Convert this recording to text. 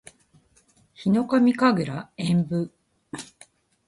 ヒノカミ神楽円舞（ひのかみかぐらえんぶ）